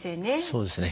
そうですね。